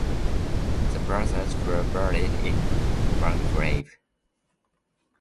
The brothers were buried in one grave.